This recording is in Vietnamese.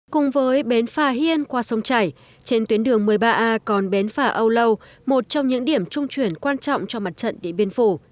cùng với bến phà hiên qua sông chảy trên tuyến đường một mươi ba a còn bến phà âu lâu một trong những điểm trung chuyển quan trọng cho mặt trận điện biên phủ